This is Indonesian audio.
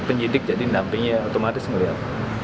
saya nyidik jadi nampingnya otomatis ngelihat